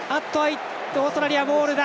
オーストラリア、ゴールだ。